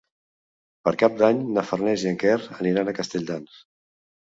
Per Cap d'Any na Farners i en Quer aniran a Castelldans.